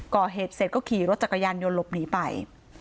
ก่อเหตุเสร็จก็ขี่รถจักรยานยนต์หลบหนีไป